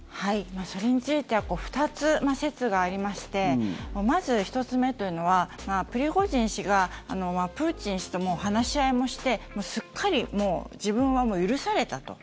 それについては２つ、説がありましてまず１つ目というのはプリゴジン氏がプーチン氏とも話し合いもしてすっかり自分は許されたと。